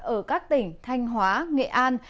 ở các tỉnh thanh hóa nghệ an